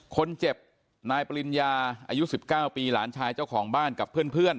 คนเจ็บนายปริญญาอายุ๑๙ปีหลานชายเจ้าของบ้านกับเพื่อน